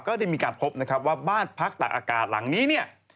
ก็ได้มีการพบว่าบ้านพักตะอากาศหลังนี้